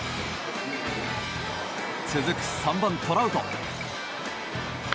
続く３番、トラウト。